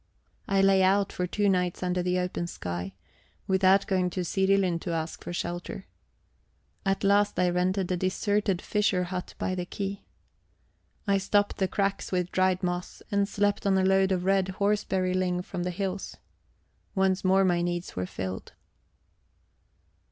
I lay out for two nights under the open sky, without going to Sirilund to ask for shelter. At last I rented a deserted fisher hut by the quay. I stopped the cracks with dried moss, and slept on a load of red horseberry ling from the hills. Once more my needs were filled.